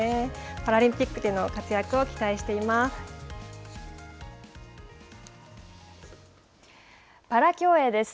パラリンピックでの活躍を期待しパラ競泳です。